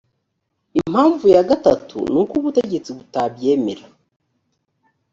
impamvu ya gatatu ni uko ubutegetsi butabyemera